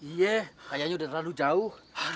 iya kayaknya udah terlalu jauh